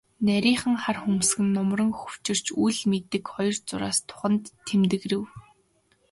Нарийхан хар хөмсөг нь нумран хөвчилж, үл мэдэг хоёр зураас духанд нь тэмдгэрэв.